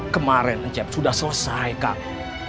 kemarin cep sudah selesai kang